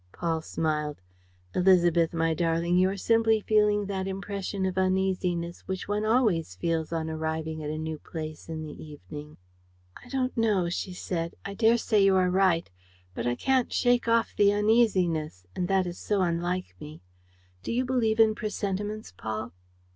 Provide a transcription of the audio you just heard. Paul smiled: "Élisabeth, my darling, you are simply feeling that impression of uneasiness which one always feels on arriving at a new place in the evening." "I don't know," she said. "I daresay you are right. ... But I can't shake off the uneasiness; and that is so unlike me. Do you believe in presentiments, Paul?"